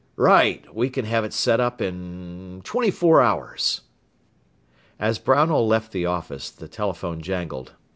"Right. We can have it set up in twenty four hours." As Brownell left the office, the telephone jangled.